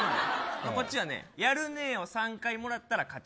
こっちはやるねえを３回もらったら勝ち。